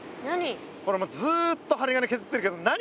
これもうずっと針金削ってるけど何？